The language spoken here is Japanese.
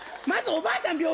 まずおばあちゃん